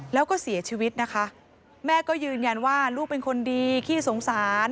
แล้วก็เสียชีวิตนะคะแม่ก็ยืนยันว่าลูกเป็นคนดีขี้สงสาร